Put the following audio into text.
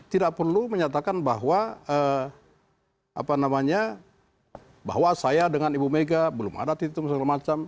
tidak perlu menyatakan bahwa saya dengan ibu mega belum ada titik segala macam